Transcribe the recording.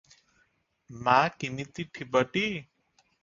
ମା କିମିତି ଥିବଟି?